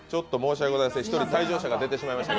１人退場者が出てしまいました。